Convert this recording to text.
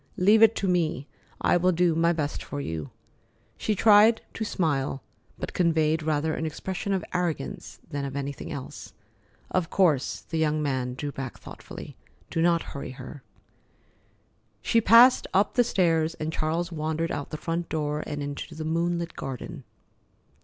Leave it to me. I will do my best for you." She tried to smile, but conveyed rather an expression of arrogance than of anything else. "Of course." The young man drew back thoughtfully. "Do not hurry her." She passed up the stairs, and Charles wandered out the front door and into the moonlit garden.